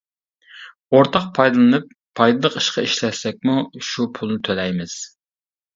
ئورتاق پايدىلىنىپ، پايدىلىق ئىشقا ئىشلەتسەكمۇ شۇ پۇلنى تۆلەيمىز.